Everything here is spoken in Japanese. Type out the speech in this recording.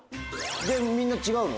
みんな違うの？